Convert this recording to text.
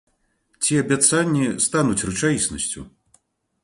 Ці абяцанні стануць рэчаіснасцю?